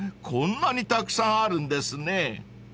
こんなにたくさんあるんですね］